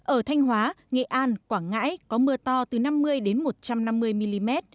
ở thanh hóa nghệ an quảng ngãi có mưa to từ năm mươi một trăm năm mươi mm